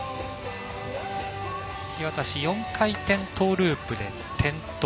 樋渡、４回転トーループで転倒。